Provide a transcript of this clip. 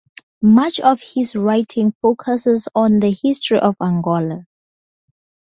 Much of his writing focuses on the history of Angola.